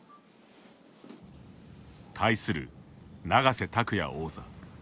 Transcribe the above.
対する永瀬拓矢王座。